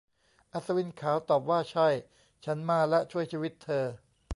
อัศวินขาวตอบว่า ใช่ ฉันมาและช่วยชีวิตเธอ